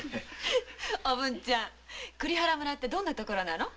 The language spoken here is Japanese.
おぶんちゃん栗原村ってどんな所なの？